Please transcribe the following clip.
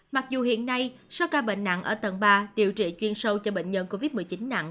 mặc dù hiện nay số ca bệnh nặng ở tầng ba điều trị chuyên sâu cho bệnh nhân covid một mươi chín nặng